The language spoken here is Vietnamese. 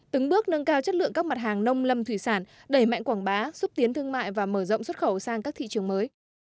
từng bước nâng cao chất lượng các mặt hàng nông lâm thủy sản đẩy mạnh quảng bá xúc tiến thương mại và mở rộng xuất khẩu sang các thị trường mới